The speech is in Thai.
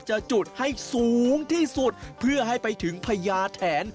จะจุดให้สูงที่สุดเพื่อให้ไปถึงพญาแถน